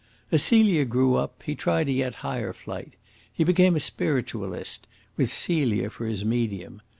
As Celia grew up, he tried a yet higher flight he became a spiritualist, with Celia for his medium.